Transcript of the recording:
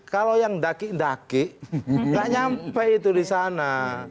kalau yang daki daki nggak nyampe itu di sana